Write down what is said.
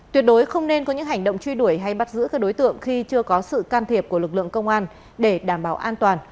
tuyệt đối không nên có những hành động truy đuổi hay bắt giữ các đối tượng khi chưa có sự can thiệp của lực lượng công an